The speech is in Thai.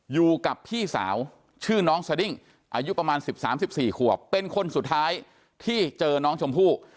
อยู่กับพี่สาวชื่อน้องสดิ้งอายุประมาณ๑๓๑๔ขวบเป็นคนสุดท้ายที่เจอน้องชมพู่